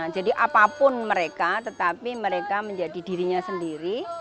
jadi apapun mereka tetapi mereka menjadi dirinya sendiri